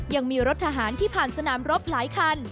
ยังมีรถทหารที่ผ่านสนามรบหลายคัน